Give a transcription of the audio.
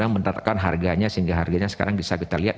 mentatakan harganya sehingga harganya sekarang bisa kita lihat